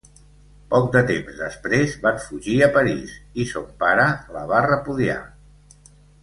Poc de temps després, van fugir a París, i son pare la va repudiar.